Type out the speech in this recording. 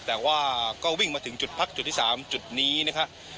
แต่ว่าก็วิ่งมาถึงจุดพักจุดที่๓จุดนี้นะครับ